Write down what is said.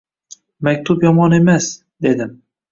Maktub yomon emas, dedim